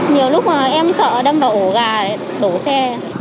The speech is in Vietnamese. nhiều lúc mà em sợ đâm vào ổ gà đổ xe